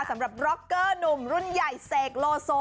สำหรับร็อกเกอร์หนุ่มรุ่นใหญ่เสกโลโซ